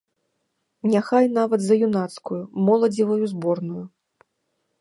Няхай нават за юнацкую, моладзевую зборную.